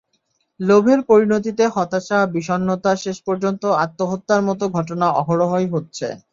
লোভের পরিণতিতে হতাশা, বিষণ্নতা, শেষ পর্যন্ত আত্মহত্যার মতো ঘটনা অহরহই হচ্ছে।